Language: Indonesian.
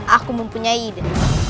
aku mempunyai ide